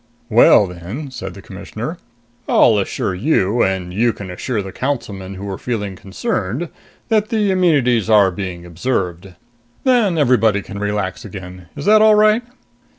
"Well, then," said the Commissioner, "I'll assure you and you can assure the Councilmen who were feeling concerned that the amenities are being observed. Then everybody can relax again. Is that all right?"